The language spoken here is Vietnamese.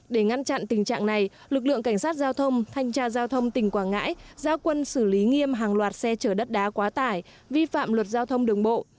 để ngăn chặn tình trạng này lực lượng cảnh sát giao thông thanh tra giao thông tỉnh quảng ngãi giao quân xử lý nghiêm hàng loạt xe chở đất đá quá tải vi phạm luật giao thông đường bộ